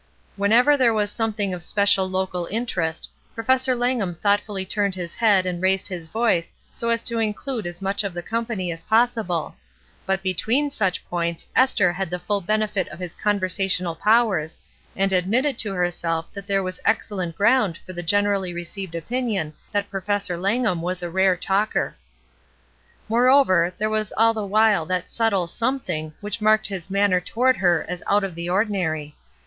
Whenever there was something of special local interest, Professor Langham thoughtfully turned his head and raised his voice so as to include as much of the company as possible; but between such points Esther had the full benefit of his conversational powers and admitted to herself that there was excellent ground for the generally received opinion that Professor Langham was a rare talker. Moreover, there was all the while that subtle something which marked his manner toward her as out of the ordinary.